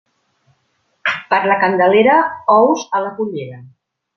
Per la Candelera, ous a la pollera.